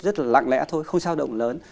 rất là lặng lẽ thôi không sao động lớn